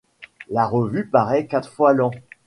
La revue parait quatre fois l'an.